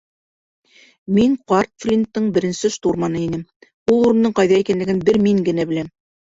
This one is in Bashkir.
Мин ҡарт Флинттың беренсе штурманы инем, ул урындың ҡайҙа икәнлеген бер мин генә беләм.